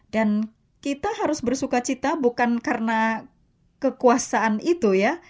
dan kita harus bersuka cita bukan karena kekuasaan itu ya